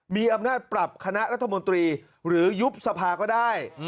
มีอำนาจปรับคณะรัฐมนตรีหรือยุบสภาก็ได้